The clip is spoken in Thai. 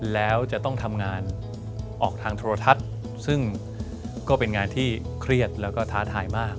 แล้วจะต้องทำงานออกทางโทรทัศน์ซึ่งก็เป็นงานที่เครียดแล้วก็ท้าทายมาก